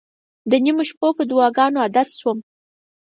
د نیمو شپو په دعاګانو عادت شوم.